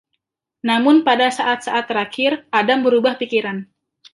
Namun pada saat-saat terakhir, Adam berubah pikiran.